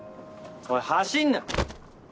おい走んな。